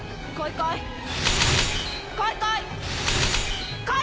「こいこい」‼